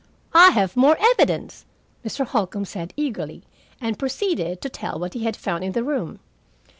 "I have more evidence," Mr. Holcombe said eagerly, and proceeded to tell what we had found in the room.